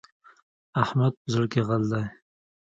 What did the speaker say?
احمد په زړه کې غل دی.